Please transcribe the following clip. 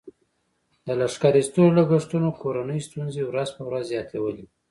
د لښکر ایستلو لګښتونو کورنۍ ستونزې ورځ په ورځ زیاتولې.